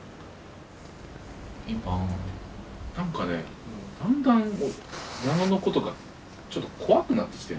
今なんかねだんだん矢野のことがちょっと怖くなってきてるんですよ。